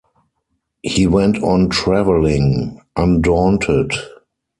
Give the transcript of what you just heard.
He went on traveling, undaunted.